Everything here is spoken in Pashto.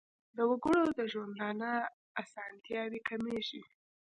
د وګړو د ژوندانه اسانتیاوې کمیږي.